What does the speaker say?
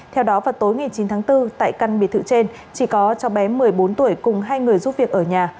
theo đó vào tối ngày chín tháng bốn tại căn biệt thự trên chỉ có cho bé một mươi bốn tuổi cùng hai người giúp việc ở nhà